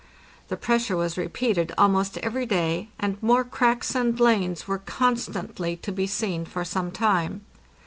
The pressure was repeated almost every day, and more cracks and lanes were constantly to be seen for some time.